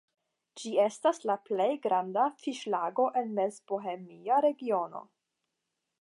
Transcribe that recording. Ĝi estas la plej granda fiŝlago en Mezbohemia regiono.